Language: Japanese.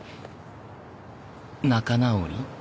仲直り。